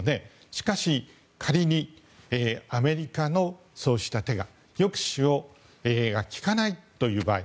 しかし仮にアメリカのそうした手が抑止が効かない場合。